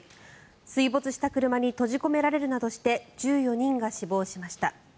水没した車に閉じ込められるなどして１４人が死亡しました。